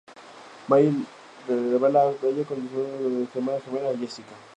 Mary le revela que ella está planeando su venganza contra su hermana gemela, Jessica.